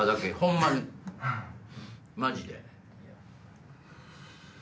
マジで。